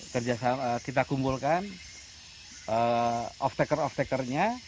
kerjasama kita kumpulkan off tacker off tackernya